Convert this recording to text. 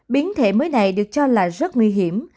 biến thể mới này được cho là rất nguy hiểm